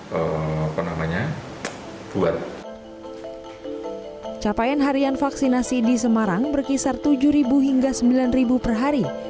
yang namanya buat capaian harian vaksinasi di semarang berkisar tujuh ribu hingga sembilan ribu perhari